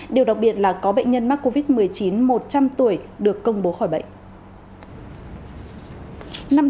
điều đặc biệt là có bệnh nhân mắc covid một mươi chín một trăm linh tuổi được công bố khỏi bệnh